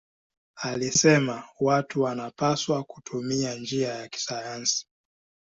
Alisema watu wanapaswa kutumia njia ya kisayansi.